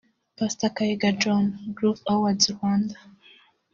Pastor Kaiga John (Groove Awards Rwanda)